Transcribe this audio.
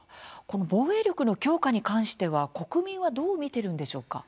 防衛力の強化に関しては国民はどう見ているんでしょうか。